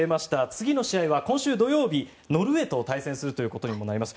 次の試合は今週土曜日ノルウェーと対戦することになります。